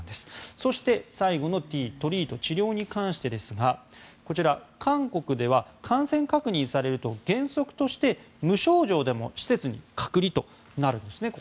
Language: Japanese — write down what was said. そして最後のＴトリート・治療に関してですがこちら、韓国では感染確認されると原則として無症状でも施設に隔離となるんです。